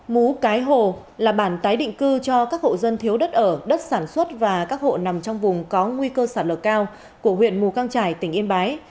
mú cái hồ là bản tái định cư cho các hộ dân thiếu đất ở đất sản xuất và các hộ nằm trong vùng có nguy cơ sạt lở cao của huyện mù căng trải tỉnh yên bái